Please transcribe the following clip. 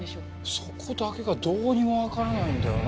そこだけがどうにもわからないんだよな。